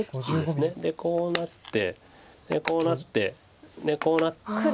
でこうなってこうなってこうなって。